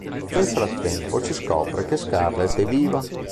Nel frattempo si scopre che Scarlet è viva.